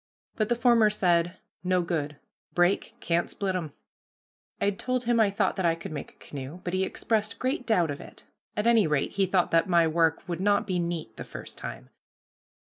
But the former said, "No good, break, can't split 'em." I told him I thought that I could make a canoe, but he expressed great doubt of it; at any rate he thought that my work would not be "neat" the first time.